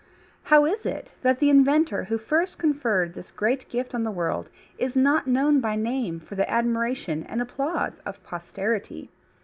How is it that the inventor who first conferred this great gift on the world is not known by name for the admiration and applause of posterity?